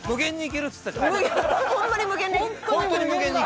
ホンマに無限に？